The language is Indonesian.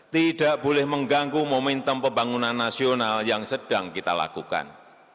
tidak boleh mengganggu momentum pembangunan nasional yang sedang kita lakukan